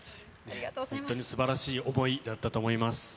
本当にすばらしい想いだったと思います。